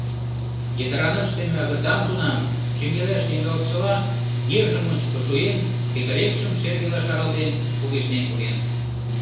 Йытыран ыштыме агытан тунам, чӱҥгалаш ямдылалтшыла, нержым ончыко шуен, кекырекшым шергела шаралтен, кугешнен шоген.